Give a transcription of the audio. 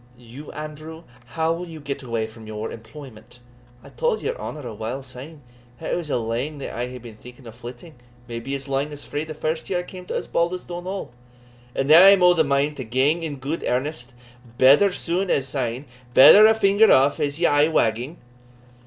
"You, Andrew? how will you get away from your employment?" "I tell'd your honour a while syne, that it was lang that I hae been thinking o' flitting, maybe as lang as frae the first year I came to Osbaldistone Hall; and now I am o' the mind to gang in gude earnest better soon as syne better a finger aff as aye wagging."